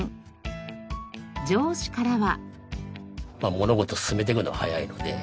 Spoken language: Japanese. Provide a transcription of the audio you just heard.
上司からは？